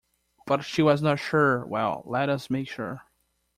But she was not sure - well, let us make sure!